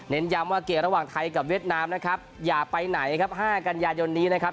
ย้ำว่าเกมระหว่างไทยกับเวียดนามนะครับอย่าไปไหนครับ๕กันยายนนี้นะครับ